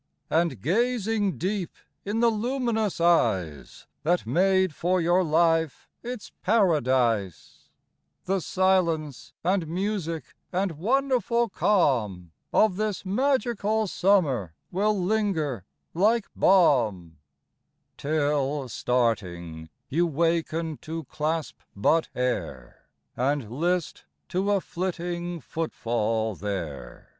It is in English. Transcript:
And gazing deep in the luminous eyes That made for your life its paradise, — The silence and music and wonderful calm Of this magical summer will linger like balm, — 62 SOMETIME. Till, Starting, you waken to clasp but air, And list to a flitting footfall there.